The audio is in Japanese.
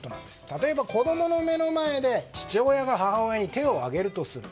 例えば、子供の目の前で父親が母親に手を上げるとする。